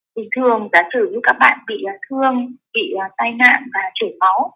bình thường giả sử các bạn bị thương bị tai nạn và chở máu